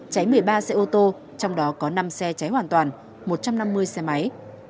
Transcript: cháy một mươi ba xe ô tô trong đó có năm xe cháy hoàn toàn một trăm năm mươi xe máy